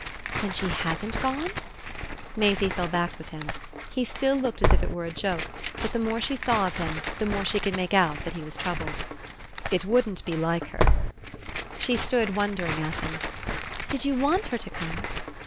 "Then she HASN'T gone?" Maisie fell back with him. He still looked as if it were a joke, but the more she saw of him the more she could make out that he was troubled. "It wouldn't be like her!" She stood wondering at him. "Did you want her to come?"